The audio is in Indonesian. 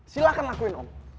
silahkan lakuin om